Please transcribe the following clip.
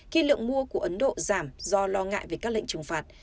khi lượng mua của ấn độ giảm do lo ngại về các lệnh trừng phạt